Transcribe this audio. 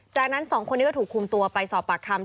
จากนั้นสองคนนี้ก็ถูกคุมตัวไปสอบปากคำ